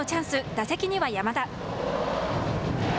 打席には山田。